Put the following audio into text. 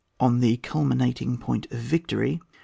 ON THE CULMINATING POINT OF VICTORY.